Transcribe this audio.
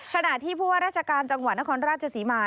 ขณะที่ผู้ว่าราชการจังหวัดนครราชศรีมา